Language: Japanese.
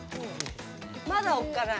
まだおっかない。